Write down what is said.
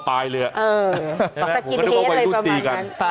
โอ้โหโอ้โห